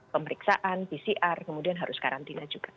pemeriksaan pcr kemudian harus karantina juga